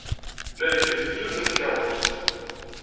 Nerkeb deg yiwet n tkeṛṛust.